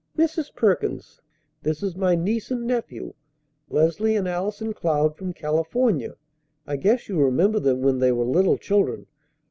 Mrs. Perkins, this is my niece and nephew, Leslie and Allison Cloud from California. I guess you remember them when they were little children.